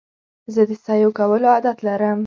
زه د سیو کولو عادت لرم.